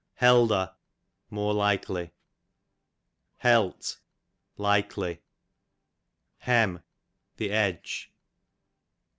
Helder, more likely. Halt, nicely. Hem, the edge.